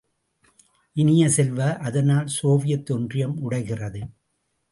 இனிய செல்வ, அதனால் சோவியத் ஒன்றியம் உடைகிறது!